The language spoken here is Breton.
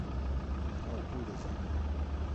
Petra ho po da zebriñ ?